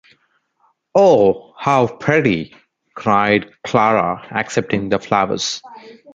“Oh, how pretty!” cried Clara, accepting the flowers.